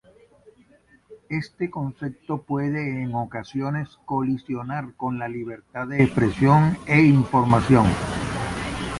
Este concepto puede en ocasiones colisionar con la libertad de expresión e información.